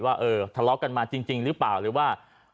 ว่าเออทะเลาะกันมาจริงหรือเปล่าหรือว่า